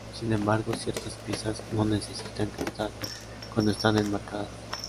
Sin embargo, ciertas piezas no necesitan cristal cuando están enmarcadas.